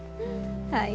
はい。